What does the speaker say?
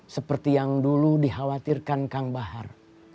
seperti yang dulu dikhawatirkan kang bahar